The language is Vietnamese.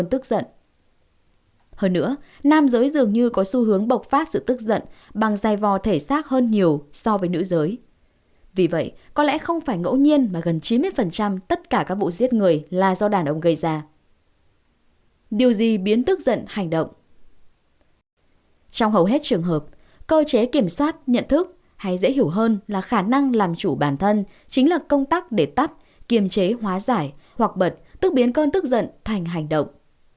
trong hầu hết trường hợp cơ chế kiểm soát nhận thức hay dễ hiểu hơn là khả năng làm chủ bản thân chính là công tắc để tắt kiềm chế hóa giải hoặc bật tức biến cơn tức giận thành hành động